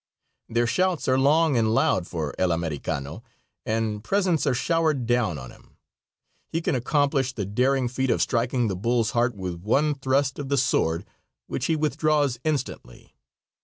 Their shouts are long and loud for El Americano, and presents are showered down on him. He can accomplish the daring feat of striking the bull's heart with one thrust of the sword, which he withdraws instantly.